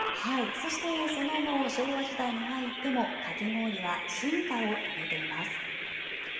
そして、その後昭和時代に入ってもかき氷は進化を遂げています。